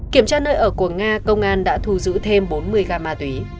kiểm tra nơi ở của nga công an đã thu giữ thêm bốn mươi gam ma túy